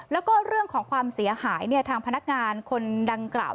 แล้วก็เรื่องของความเสียหายทางพนักงานคนดังกล่าว